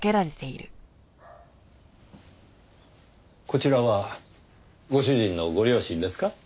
こちらはご主人のご両親ですか？